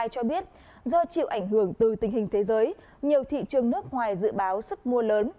cho biết do chịu ảnh hưởng từ tình hình thế giới nhiều thị trường nước ngoài dự báo sức mua lớn